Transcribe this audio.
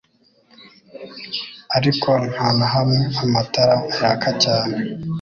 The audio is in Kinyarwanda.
ariko nta na hamwe amatara yaka cyane